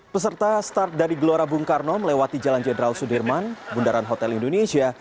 peserta start dari gelora bung karno melewati jalan jenderal sudirman bundaran hotel indonesia